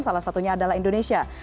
salah satunya adalah indonesia